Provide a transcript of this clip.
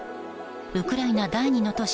ウクライナ第２の都市